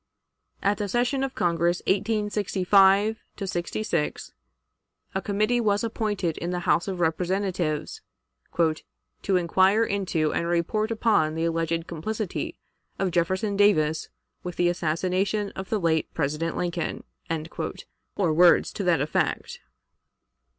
At the session of Congress of 1865 '66, a committee was appointed in the House of Representatives "to inquire into and report upon the alleged complicity of Jefferson Davis with the assassination of the late President Lincoln," or words to that effect.